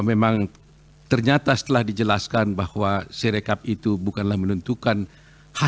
memang ternyata setelah dijelaskan bahwa sirekap itu bukanlah menentukan hak